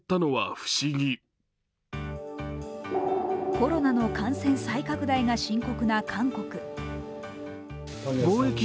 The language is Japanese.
コロナの感染再拡大が深刻な韓国。